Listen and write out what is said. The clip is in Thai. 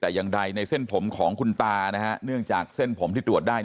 แต่อย่างใดในเส้นผมของคุณตานะฮะเนื่องจากเส้นผมที่ตรวจได้